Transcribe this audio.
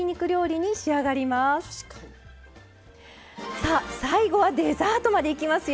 さあ最後はデザートまでいきますよ。